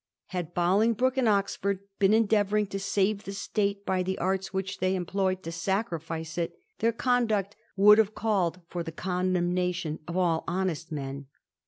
Had Bolingbroke and Oxford been endeavouring to save the State by the arts which they employed to sacrifice it, their con duct would have called for the condemnation of all honest men.